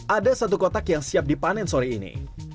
ada satu kotak yang siap dipanen sore ini